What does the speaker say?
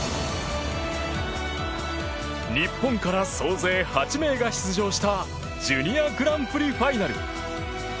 日本から総勢８名が出場したジュニアグランプリファイナル。